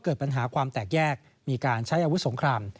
เกิดปัญหาความแตกแยกมีการใช้อาวุธสงคราม